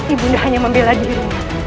ibu anda hanya membela dirimu